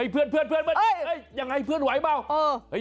เพื่อนบ้านยังไงเพื่อนไหวเปล่า